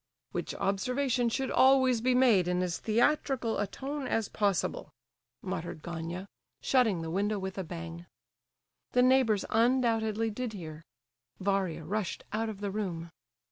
"Which observation should always be made in as theatrical a tone as possible," muttered Gania, shutting the window with a bang. The neighbours undoubtedly did hear. Varia rushed out of the room.